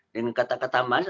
dengan kata kata manis